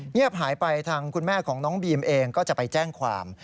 เงียบหายไปทางคุณแม่ของน้องบีมเองก็จะไปแจ้งความ